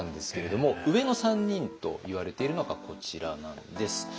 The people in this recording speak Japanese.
上の３人といわれているのがこちらなんです。